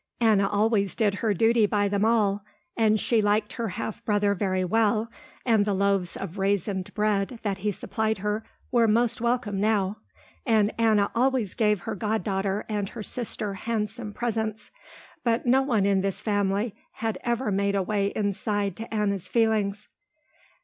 Anna always did her duty by them all, and she liked her half brother very well and the loaves of raisined bread that he supplied her were most welcome now, and Anna always gave her god daughter and her sister handsome presents, but no one in this family had ever made a way inside to Anna's feelings.